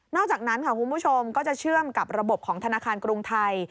อกจากนั้นค่ะคุณผู้ชมก็จะเชื่อมกับระบบของธนาคารกรุงไทย